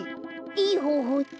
いいほうほうって？